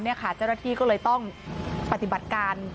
เจ้าหน้าที่ก็เลยต้องปฏิบัติการ